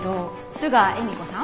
須川恵美子さん？